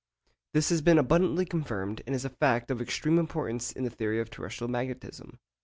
This has been abundantly confirmed, and is a fact of extreme importance in the theory of terrestrial magnetism.